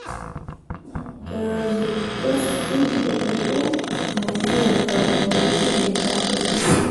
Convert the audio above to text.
د زده سود به پرې کوم خو ملکې انکار وکړ.